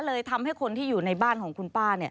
เลยทำให้คนที่อยู่ในบ้านของคุณป้า